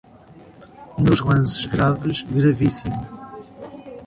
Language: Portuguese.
Nos lances graves, gravíssimo.